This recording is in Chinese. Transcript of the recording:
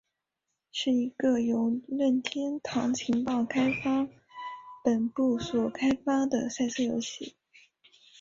是一个由任天堂情报开发本部所开发的赛车游戏。